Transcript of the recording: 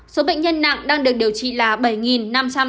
số bệnh nhân nặng đang được điều trị là bảy năm trăm tám mươi hai ca